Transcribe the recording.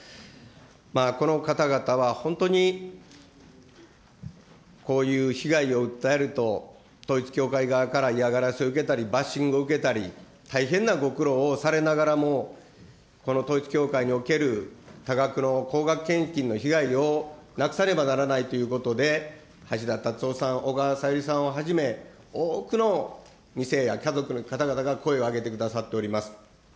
この方々は本当にこういう被害を訴えると、統一教会側から嫌がらせを受けたり、バッシングを受けたり、大変なご苦労をされながらも、この統一教会における多額の高額献金の被害をなくさねばならないということで、橋田達夫さん、小川さゆりさんをはじめ、多くの２世や家族の方々が声を上げてくださっております。